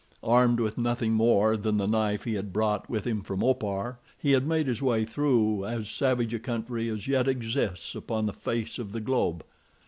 Armed with nothing more than the knife he had brought with him from Opar, he had made his way through as savage a country as yet exists upon the face of the globe.